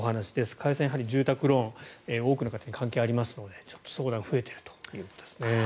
加谷さん、やはり住宅ローン多くの方に関係ありますのでちょっと相談が増えているということですね。